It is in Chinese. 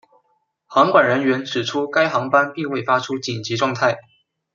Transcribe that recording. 航管人员指出该航班并未发出紧急状态。